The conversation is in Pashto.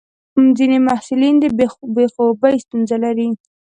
ځینې محصلین د بې خوبي ستونزه لري.